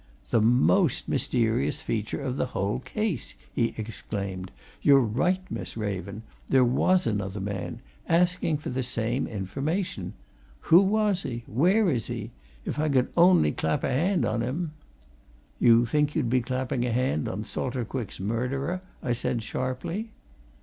"The most mysterious feature of the whole case!" he exclaimed. "You're right, Miss Raven! There was another man asking for the same information. Who was he! Where is he? If only I could clap a hand on him " "You think you'd be clapping a hand on Salter Quick's murderer?" I said sharply.